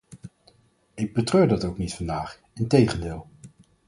Ik betreur dat ook niet vandaag, integendeel.